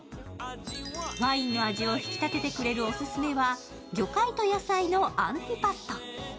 ワインの味を引き立ててくれるオススメは魚貝と野菜のアンティパスタ。